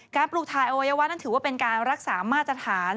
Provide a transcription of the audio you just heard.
ปลูกถ่ายอวัยวะนั้นถือว่าเป็นการรักษามาตรฐาน